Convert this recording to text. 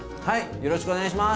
よろしくお願いします。